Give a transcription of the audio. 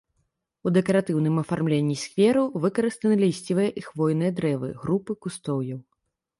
У дэкаратыўным афармленні сквераў выкарыстаны лісцевыя і хвойныя дрэвы, групы кустоўя.